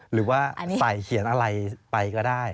หรือว่าใส่เขียนอะไรไปก็ได้